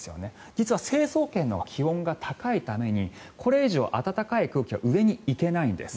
実は成層圏のほうが気温が高いためにこれ以上、暖かい空気が上に行けないんです。